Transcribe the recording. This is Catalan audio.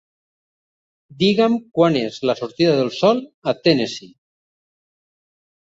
Diga'm quan és la sortida de sol a Tennessee